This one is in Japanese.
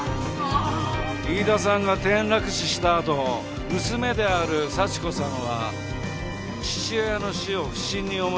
飯田さんが転落死したあと娘である幸子さんは父親の死を不審に思い